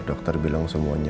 dokter bilang semuanya